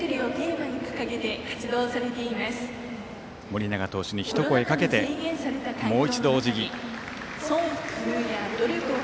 盛永投手に一声かけてもう一度、おじぎ。